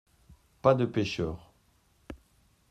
—Pas des pêcheurs.